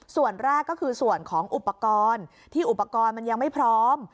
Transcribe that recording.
ส่วนแรกก็คือส่วนของอุปกรณ์ที่อุปกรณ์มันยังไม่พร้อม